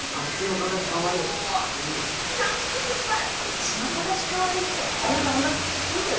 ちゃんとすっぱい。